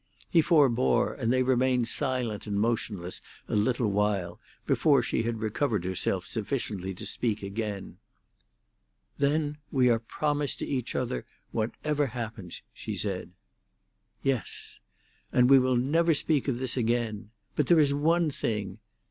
He forbore, and they remained silent and motionless a little while, before she had recovered herself sufficiently to speak again. "Then we are promised to each other, whatever happens," she said. "Yes." "And we will never speak of this again. But there is one thing.